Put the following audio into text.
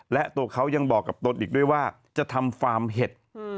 และตัวเขายังบอกกับตนอีกด้วยว่าจะทำฟาร์มเห็ด